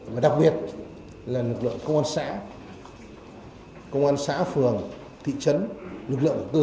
và đặc biệt là lực lượng công an xã công an xã phường thị trấn lực lượng tư sở